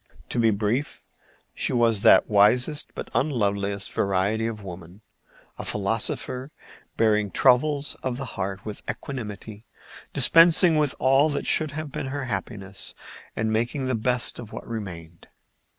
To be brief, she was that wisest but unloveliest variety of woman, a philosopher, bearing troubles of the heart with equanimity, dispensing with all that should have been her happiness and making the best of what remained.